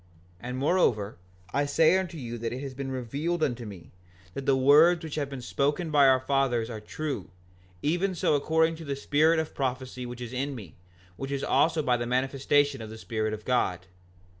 5:47 And moreover, I say unto you that it has thus been revealed unto me, that the words which have been spoken by our fathers are true, even so according to the spirit of prophecy which is in me, which is also by the manifestation of the Spirit of God.